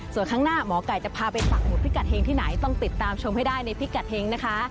ส่วนข้างหน้าหมอไก่จะพาไปปักหมุดพิกัดเฮงที่ไหนต้องติดตามชมให้ได้ในพิกัดเฮงนะคะ